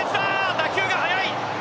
打球が速い。